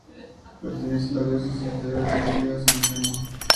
Pertenece a la diócesis de Ventimiglia-San Remo.